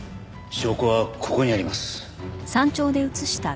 証拠はここにあります。